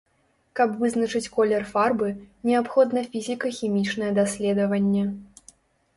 Каб вызначыць колер фарбы, неабходна фізіка-хімічнае даследаванне.